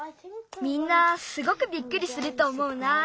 みんなすごくびっくりするとおもうな。